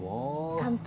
乾杯。